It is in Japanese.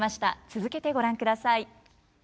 続けてご覧ください。